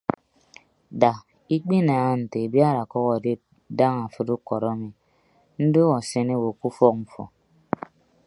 Da ikpinaaha nte abiad ọkʌk adep daña afịd ukọd ami ndoho asen owo ke ufọk mfo.